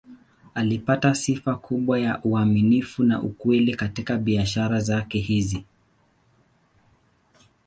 Alipata sifa kubwa ya uaminifu na ukweli katika biashara zake hizi.